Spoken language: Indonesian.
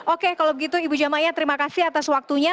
oke kalau begitu ibu jamaya terima kasih atas waktunya